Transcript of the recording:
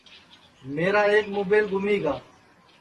میرا ایک مُبیل گُمی گا